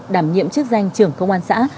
đảm nhiệm chức danh trưởng công an xã